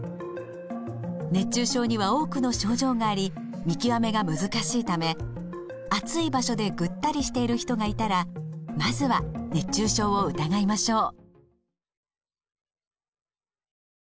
熱中症には多くの症状があり見極めが難しいため暑い場所でぐったりしている人がいたらまずは熱中症を疑いましょう。